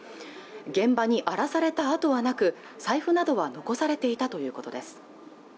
現場に荒らされた跡はなく財布などは残されていたということです